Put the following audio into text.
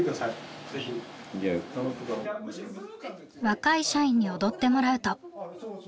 若い社員に踊ってもらうと。